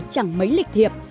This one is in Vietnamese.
chẳng mấy lịch thiệp